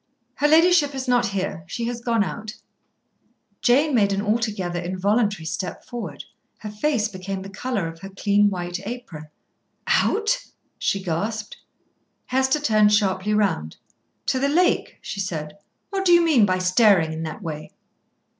"Her ladyship is not here; she has gone out." Jane made an altogether involuntary step forward. Her face became the colour of her clean white apron. "Out!" she gasped. Hester turned sharply round. "To the lake," she said. "What do you mean by staring in that way?"